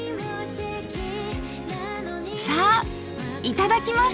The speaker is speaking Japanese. さあいただきます！